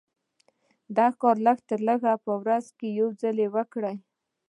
دا کار لږ تر لږه په ورځ کې يو ځل وکړئ.